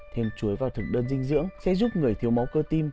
thêm chuối vào thực đơn dinh dưỡng sẽ giúp người thiếu máu cơ tim